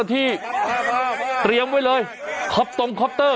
เตรียมไว้เลยขอบตรงค็อกเตอร์